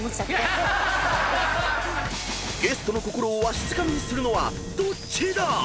［ゲストの心をわしづかみにするのはどっちだ⁉］